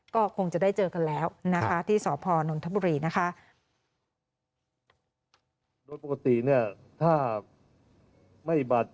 ก็คงจะได้เจอกันแล้วนะคะที่สพนนทบุรีนะคะ